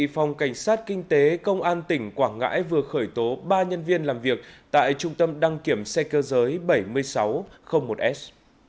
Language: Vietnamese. phòng cảnh sát kinh tế công an tỉnh quảng ngãi vừa khởi tố ba nhân viên làm việc tại trung tâm đăng kiểm xe cơ giới bảy nghìn sáu trăm linh một s